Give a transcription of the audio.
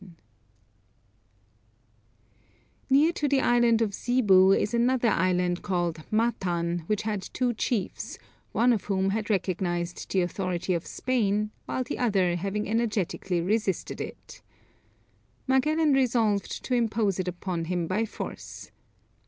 Near to the Island of Zebu is another island called Matan which had two chiefs, one of whom had recognized the authority of Spain, while the other having energetically resisted it, Magellan resolved to impose it upon him by force.